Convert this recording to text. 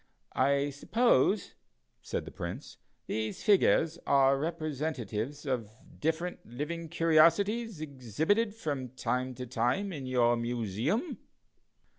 "I suppose," said the Prince, "these figures are representatives of different living curiosities exhibited from time to time in your Museum?"